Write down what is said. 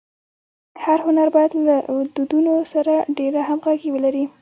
هر هنر باید له دودونو سره ډېره همږغي ولري.